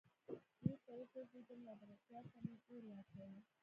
بېرته وګرځېدم لابراتوار ته مې اور واچوه.